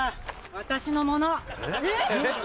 私のもの！